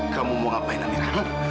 kamu mau ngapain amira